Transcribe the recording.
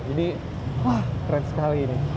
jadi wah keren sekali ini